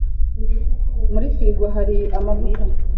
Muri firigo hari amavuta?